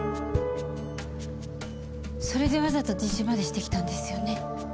それでわざと自首までしてきたんですよね？